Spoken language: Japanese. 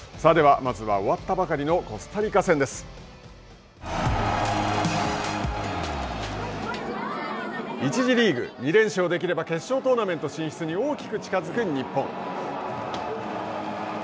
ではまずは、終わったばかりのコ１次リーグ、２連勝できれば決勝トーナメント進出に大きく近づく日本。